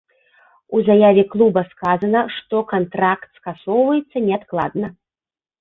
У заяве клуба сказана, што кантракт скасоўваецца неадкладна.